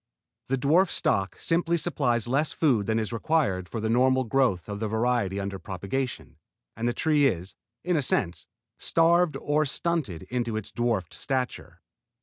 The dwarf stock simply supplies less food than is required for the normal growth of the variety under propagation, and the tree is, in a sense, starved or stunted into its dwarf stature.